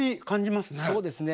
そうですね。